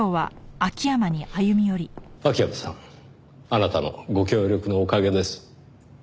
あなたのご協力のおかげです。